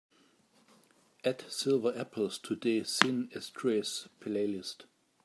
Add silver apples to teh sin estrés playlist.